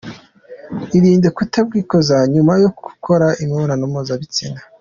Irinde kuta mwikoza nyuma yo gukora imibonano mpuza bitsina.